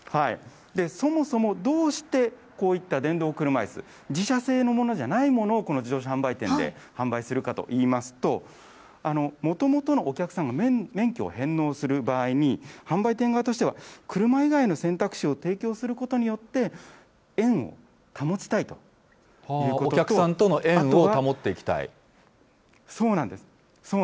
そもそもどうしてこういった電動車いす、自社製のものじゃないものを、自動車販売店で販売するかといいますと、もともとのお客さんが免許を返納する場合に、販売店側としては、車以外の選択肢を提供することによって、お客さんとの縁を保っていきそうなんです。